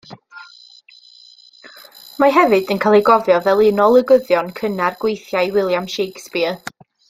Mae hefyd yn cael ei gofio fel un o olygyddion cynnar gweithiau William Shakespeare.